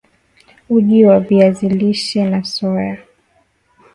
Uji wa viazi lishe na soya